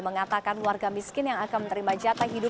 mengatakan warga miskin yang akan menerima jatah hidup